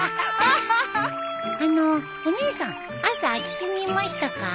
あのお姉さん朝空き地にいましたか？